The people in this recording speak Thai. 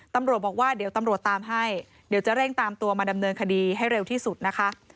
ตำรวจบอกว่าเดี๋ยวตำรวจตามให้เดี๋ยวจะเร่งตามตัวมาดำเนินคดีให้เร็วที่สุดนะคะ